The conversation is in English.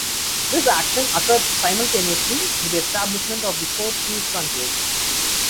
This action occurred simultaneously with the establishment of the four Sea Frontiers.